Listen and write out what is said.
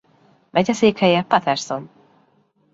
Megyeszékhelye Paterson.